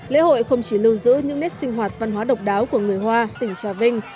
lễ hội không chỉ lưu giữ những nét sinh hoạt văn hóa độc đáo của người hoa tỉnh trà vinh